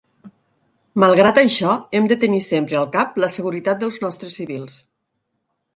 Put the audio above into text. Malgrat això, hem de tenir sempre al cap la seguretat dels nostres civils.